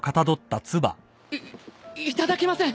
いいただけません